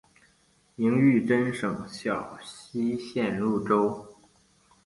明玉珍省小溪县入州。